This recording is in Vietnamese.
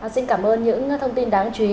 xin cảm ơn những thông tin đáng chú ý